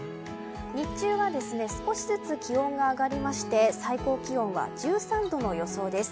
日中は少しずつ気温が上がりまして最高気温は１３度の予想です。